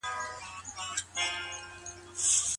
د ټولنپوهني علم د ټولني حالاتو پورې اړه لري.